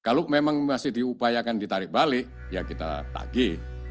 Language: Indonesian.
kalau memang masih diupayakan ditarik balik ya kita tagi